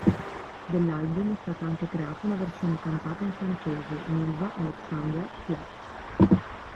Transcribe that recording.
Dell'album è stata anche creata una versione cantata in francese: "Milva Alexander Platz".